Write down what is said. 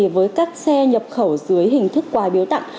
với các xe nhập khẩu dưới hình thức quà biếu tặng